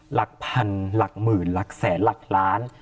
หลักพันหลักหมื่นหลักแสนหลักล้าน